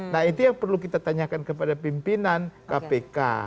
nah itu yang perlu kita tanyakan kepada pimpinan kpk